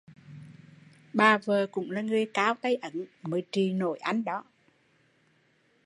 Bà vợ cũng là người cao tay ấn mới trị nổi anh đó